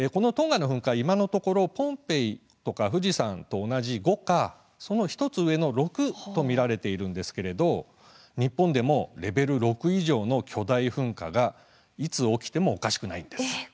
今のところポンペイ、富士山と同じ５か１つ上の６と見られていますが日本でも、レベル６以上の巨大噴火がいつ起きてもおかしくないんです。